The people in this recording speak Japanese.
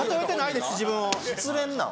失恋なん？